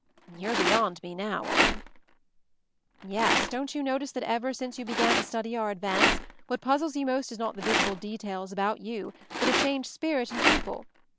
"You're beyond me now, Owen." "Yes; don't you notice that ever since you began to study our advance, what puz zles you most is not the visible details about you, but a changed spirit in people